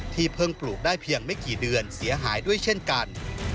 เพิ่งปลูกได้เพียงไม่กี่เดือนเสียหายด้วยเช่นกัน